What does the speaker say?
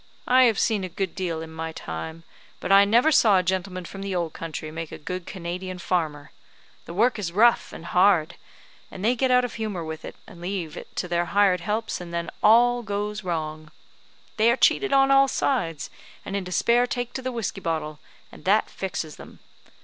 I have seen a good deal in my time; but I never saw a gentleman from the old country make a good Canadian farmer. The work is rough and hard, and they get out of humour with it, and leave it to their hired helps, and then all goes wrong. They are cheated on all sides, and in despair take to the whiskey bottle, and that fixes them.